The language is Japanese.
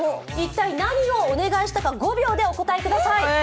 一体何をお願いしたか５秒でお答えください。